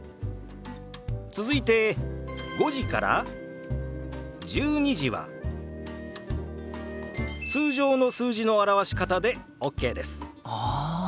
続いて５時から１２時は通常の数字の表し方でＯＫです。ああ！